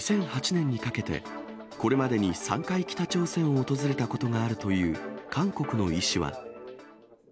２００８年にかけて、これまでに３回北朝鮮を訪れたことがあるという韓国の医師は。